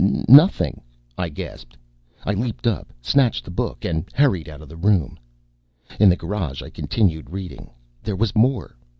"Nothing," I gasped. I leaped up, snatched the book, and hurried out of the room. In the garage, I continued reading. There was more.